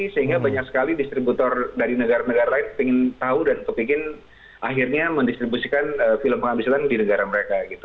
sehingga banyak sekali distributor dari negara negara lain ingin tahu dan kepikir akhirnya mendistribusikan film pengabdi setan di negara mereka